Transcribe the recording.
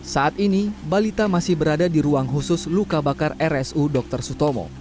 saat ini balita masih berada di ruang khusus luka bakar rsu dr sutomo